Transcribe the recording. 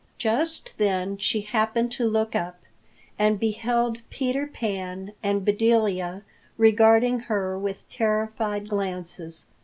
Just then she happened to look up, and beheld Peter Pan and Bedelia regarding her with terrified glances.